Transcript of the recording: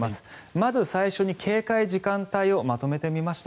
まず最初に警戒時間帯をまとめてみました。